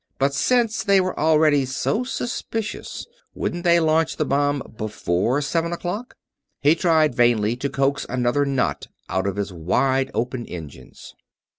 But since they were already so suspicious, wouldn't they launch the bomb before seven o'clock? He tried vainly to coax another knot out of his wide open engines.